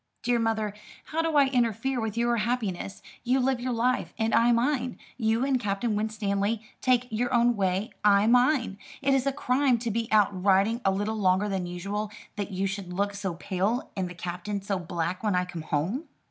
"Dear mother, how do I interfere with your happiness? You live your life, and I mine. You and Captain Winstanley take your own way, I mine. Is it a crime to be out riding a little longer than usual, that you should look so pale and the Captain so black when I come home?"